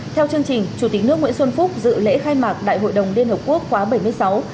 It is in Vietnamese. theo chương trình chủ tịch nước nguyễn xuân phúc dự lễ khai mạc đại hội đồng liên hợp quốc khóa bảy mươi sáu